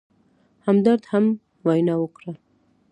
همدرد هم وینا وکړه.